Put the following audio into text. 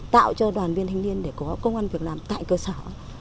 tạo cho đoàn viên thanh niên để có công an việc làm tại cơ sở